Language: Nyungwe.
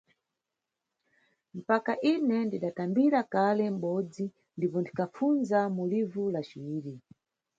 Mpaka ine ndidatambira kale mʼbodzi ndipo ndikhapfunza mu livu la ciwiri.